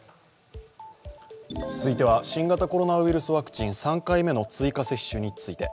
続いては新型コロナウイルスワクチン３回目の追加接種について。